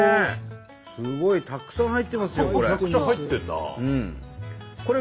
すごいたくさん入ってますよこれ。